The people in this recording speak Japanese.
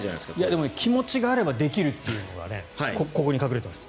でも気持ちがあればできるというのがここに隠れています。